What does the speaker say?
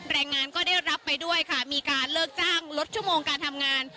แรงงานก็ได้รับไปด้วยค่ะมีการเลิกจ้างลดชั่วโมงการทำงาน